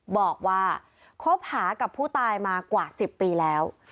บอกว่าคบหากับผู้ตายมากว่า๑๐ปีแล้ว